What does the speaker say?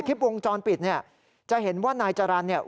คลิปวงจรปิดจะเห็นว่านายจรรพูกร